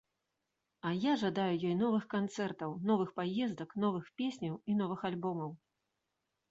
І я жадаю ёй новых канцэртаў, новых паездак, новых песняў і новых альбомаў.